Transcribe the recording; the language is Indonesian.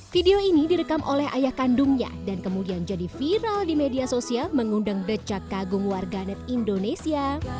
video ini direkam oleh ayah kandungnya dan kemudian jadi viral di media sosial mengundang decak kagum warganet indonesia